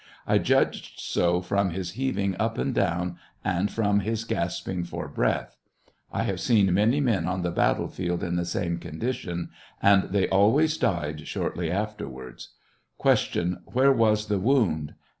I judged so from his heaving up and down, and from his gasping for breath. 1 have seen many men on the battlefield in the same condition, and they always died shortly afterwards. Q. Where was the wound